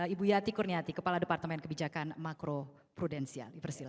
ibu yati kurniati kepala departemen kebijakan makro prudensial ubersila